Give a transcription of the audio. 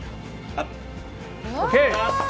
ＯＫ！